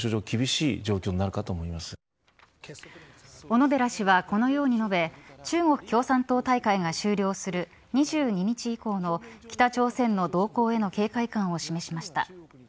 小野寺氏はこのように述べ中国共産党大会が終了する２２日以降の北朝鮮の動向への警戒感を示しました。